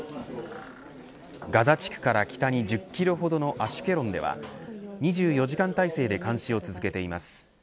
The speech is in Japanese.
ガザ地区から北に２０キロほどのアシュケロンでは２４時間体制で監視を続けています。